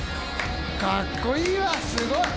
かっこいいわすごい！